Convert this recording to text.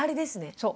そう。